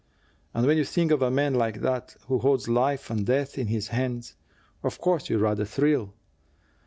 And when you think of a man like that, who holds life and death in his hands, of course you rather thrill.